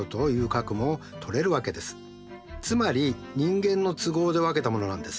つまり人間の都合で分けたものなんです。